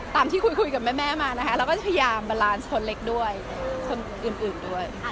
ตามที่คุยกับแม่มานะคะเราก็จะพยายามบาลานซ์คนเล็กด้วยคนอื่นด้วย